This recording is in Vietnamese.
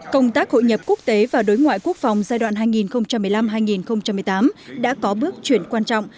công tác hội nhập quốc tế và đối ngoại quốc phòng giai đoạn hai nghìn một mươi năm hai nghìn một mươi tám đã có bước chuyển quan trọng